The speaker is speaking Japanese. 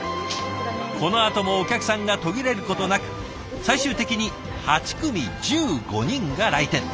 このあともお客さんが途切れることなく最終的に８組１５人が来店。